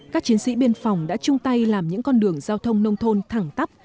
các chiến sĩ biên phòng đã chung tay làm những con đường giao thông nông thôn thẳng tắp